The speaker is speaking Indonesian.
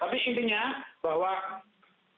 aduh ini prof hasbullah